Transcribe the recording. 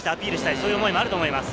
そういう思いもあると思います。